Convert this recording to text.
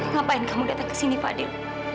ngapain kamu datang kesini fadil